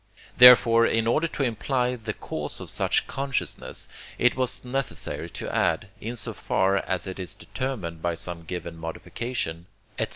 Therefore, in order to imply the cause of such consciousness, it was necessary to add, in so far as it is determined by some given modification, &c.